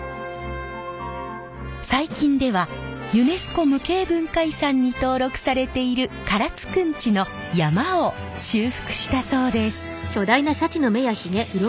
最近ではユネスコ無形文化遺産に登録されている唐津くんちの曳山を修復したそうです。